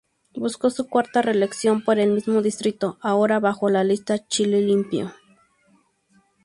Buscó su cuarta reelección por el mismo distrito, ahora bajo la lista Chile Limpio.